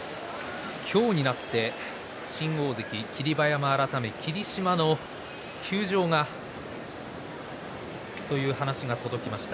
今日になって新大関霧馬山改め霧島の休場という話が届きました。